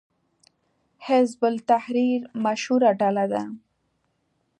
حزب التحریر مشهوره ډله ده